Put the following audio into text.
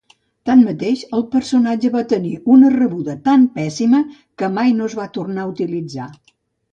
Tanmateix, el personatge va tenir una rebuda tan pèssima que mai no es va tornar a utilitzar.